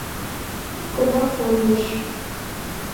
— Ик кува кондыш.